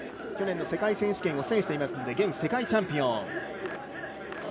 去年の世界選手権を制していますので、元世界チャンピオン。